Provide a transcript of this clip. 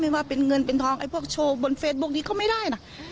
ว่าเป็นเงินเป็นทองไอ้พวกโชว์บนเฟซบุ๊คนี้ก็ไม่ได้นะ